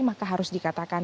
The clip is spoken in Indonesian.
maka harus dikatakan